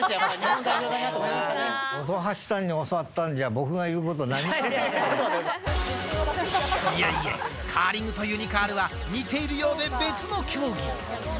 本橋さんに教わったんじゃ、いやいや、ちょっと待ってくいやいや、カーリングとユニカールは、似ているようで、別の競技。